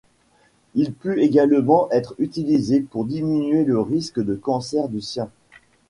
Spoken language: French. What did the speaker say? Il peut également être utilisé pour diminuer le risque de cancer du sein.